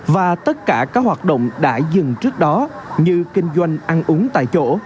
và tất cả các hoạt động đã dừng trước đó như kinh doanh ăn uống tại chỗ